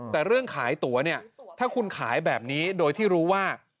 แต่เรื่องขายตั๋วเนี่ยถ้าคุณขายแบบนี้โดยที่รู้ว่า